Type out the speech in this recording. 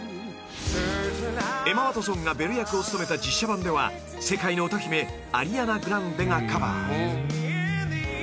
［エマ・ワトソンがベル役を務めた実写版では世界の歌姫アリアナ・グランデがカバー］